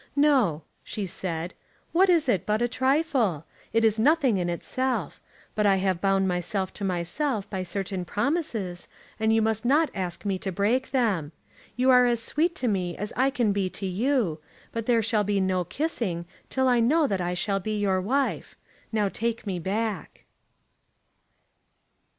"No," she said. "What is it but a trifle! It is nothing in itself. But I have bound myself to myself by certain promises, and you must not ask me to break them. You are as sweet to me as I can be to you, but there shall be no kissing till I know that I shall be your wife. Now take me back."